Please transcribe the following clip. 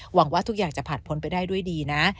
หวังว่าทุกอย่างจะผ่านพ้นไปได้ด้วยดีนะ